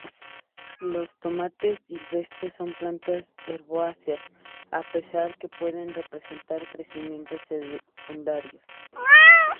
Los tomates silvestres son plantas herbáceas, a pesar que pueden presentar crecimiento secundario.